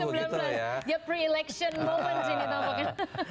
ya pre election moment sih ini tampaknya